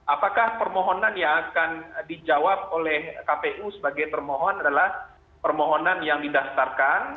apakah permohonan yang akan dijawab oleh kpu sebagai termohon adalah permohonan yang didaftarkan